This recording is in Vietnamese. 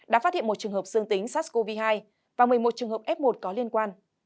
đã phát hiện một trường hợp dương tính sars cov hai và một mươi một trường hợp f một có liên quan